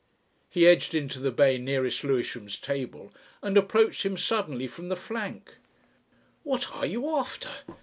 He edged into the bay nearest Lewisham's table and approached him suddenly from the flank. "What are you after?"